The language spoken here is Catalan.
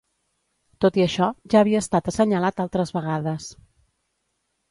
Tot i això, ja havia estat assenyalat altres vegades.